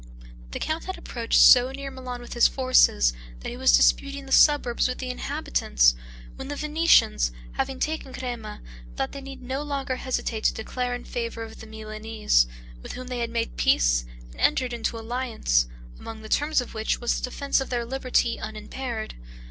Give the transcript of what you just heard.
The count had approached so near Milan with his forces, that he was disputing the suburbs with the inhabitants, when the Venetians having taken Crema, thought they need no longer hesitate to declare in favor of the Milanese, with whom they made peace and entered into alliance; among the terms of which was the defense of their liberty unimpaired.